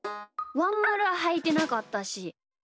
ワンまるははいてなかったし。